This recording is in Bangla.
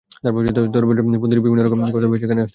তদুপরি দেশে ফোন দিলেই বিভিন্ন রকম কথা ফয়েজের কানে আসতে লাগল।